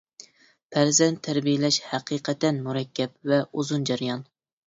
پەرزەنت تەربىيەلەش ھەقىقەتەن مۇرەككەپ ۋە ئۇزۇن جەريان.